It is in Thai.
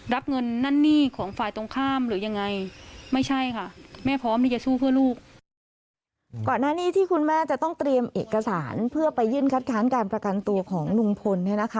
รับเงินนั่นหนี้ของฝ่ายตรงข้ามหรือยังไง